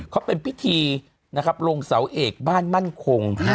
เขาเป็นพิธีนะครับลงเสาเอกบ้านมั่นคง